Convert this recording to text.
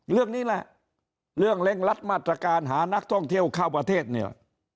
เรื่องนี้แหละเรื่องเร่งรัดมาตรการหานักท่องเที่ยวเข้าประเทศเนี่ย